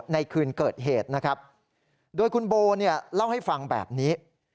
ในคืนเกิดเหตุนะครับโดยคุณโบเนี่ยเล่าให้ฟังแบบนี้